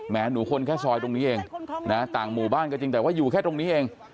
หนูคนแค่ซอยตรงนี้เองนะต่างหมู่บ้านก็จริงแต่ว่าอยู่แค่ตรงนี้เอง